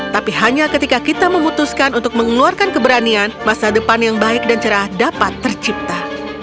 tapi hanya ketika kita memutuskan untuk mengeluarkan keberanian masa depan yang baik dan cerah dapat tercipta